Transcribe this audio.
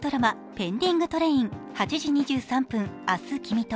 「ペンディングトレイン―８時２３分、明日君と」。